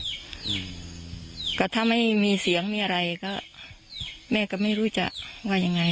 อืมก็ถ้าไม่มีเสียงมีอะไรก็แม่ก็ไม่รู้จะว่ายังไง